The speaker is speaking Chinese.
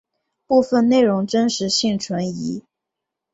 部分内容真实性存疑。